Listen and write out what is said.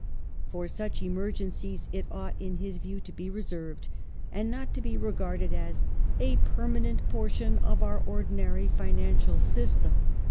For such emergencies it ought, in his view, to be reserved, and not to be regarded as a " permanent portion of our ordinary financial system